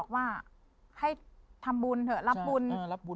ว่าให้ทำบุญเถอะรับบุญ